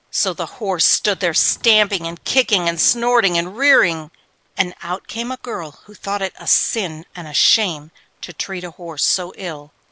So the horse stood there stamping, and kicking, and snorting, and rearing, and out came a girl who thought it a sin and a shame to treat a horse so ill.